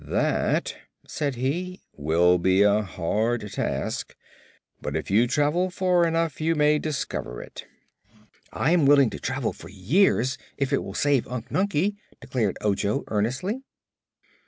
"That," said he, "will be a hard task, but if you travel far enough you may discover it." "I am willing to travel for years, if it will save Unc Nunkie," declared Ojo, earnestly.